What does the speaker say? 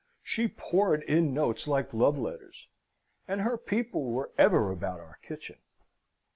She poured in notes like love letters; and her people were ever about our kitchen.